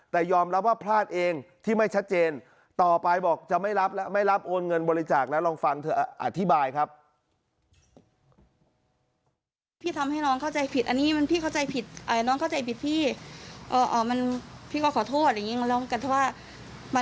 แต่ยอมรับว่าพลาดเองที่ไม่ชัดเจนต่อไปบอกจะไม่รับแล้วไม่รับโอนเงินบริจาคแล้วลองฟังเธออธิบายครับ